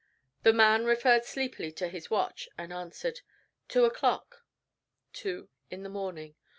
The man referred sleepily to his watch, and answered, "Two o'clock." Two in the morning.